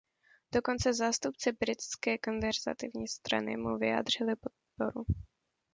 Dokonce zástupci britské Konzervativní strany mu vyjádřili podporu.